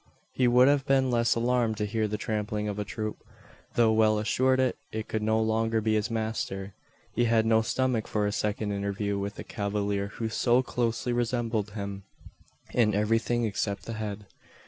He would have been less alarmed to hear the trampling of a troop. Though well assured it could no longer be his master, he had no stomach for a second interview with the cavalier who so closely resembled him in everything except the head.